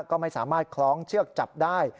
ก็ไม่สามารถคล้องเชือกจับได้